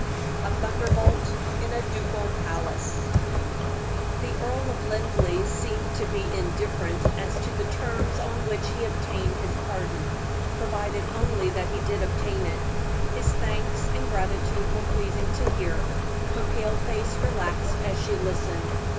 A THUNDERBOLT IN A DUCAL PALACE. The Earl of Linleigh seemed to be indifferent as to the terms on which he obtained his pardon, provided only that he did obtain it. His thanks and gratitude were pleasing to hear. Her pale face relaxed as she listened.